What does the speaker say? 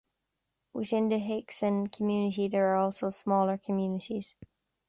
Within the Hixson community, there are also smaller communities.